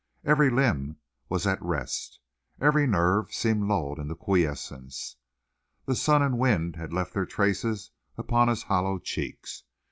Every limb was at rest, every nerve seemed lulled into quiescence. The sun and wind had left their traces upon his hollow cheeks.